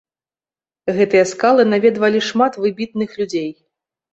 Гэтыя скалы наведвалі шмат выбітных людзей.